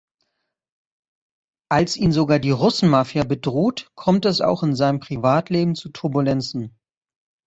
Als ihn sogar die Russenmafia bedroht, kommt es auch in seinem Privatleben zu Turbulenzen.